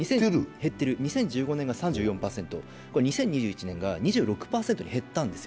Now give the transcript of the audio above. ２０１５年が３４％、２０２１年が２６％に減ったんですよ。